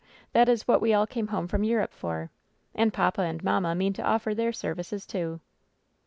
That is what we all came home from Europe for. And papa and mamma mean to offer their services, too."